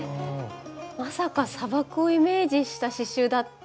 まさか砂漠をイメージした刺しゅうだって。